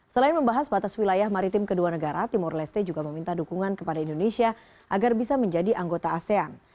selain membahas batas wilayah maritim kedua negara timur leste juga meminta dukungan kepada indonesia agar bisa menjadi anggota asean